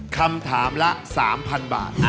คำถามละสามพันบาท